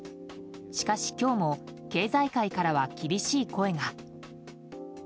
しかし今日も経済界からは厳しい声が。